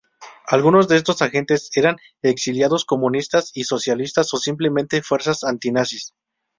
Algunos de esos agentes eran exiliados comunistas y socialistas, o simplemente fuerzas antinazis.